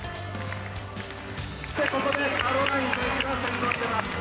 ここでカロライン選手が先頭に出ます。